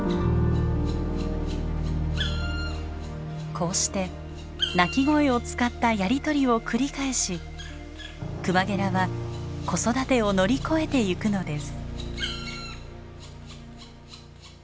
こうして鳴き声を使ったやり取りを繰り返しクマゲラは子育てを乗り越えていくのです。